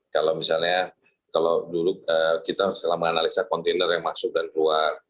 kalau misalnya kalau dulu kita setelah menganalisa kontainer yang masuk dan keluar